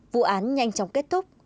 vụ án nhanh chóng kết thúc